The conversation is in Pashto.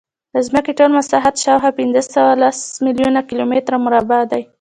د ځمکې ټول مساحت شاوخوا پینځهسوهلس میلیونه کیلومتره مربع دی.